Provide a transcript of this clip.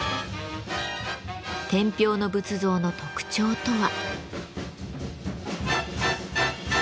天平の仏像の特徴とは？